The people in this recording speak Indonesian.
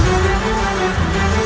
aku akan mencari dia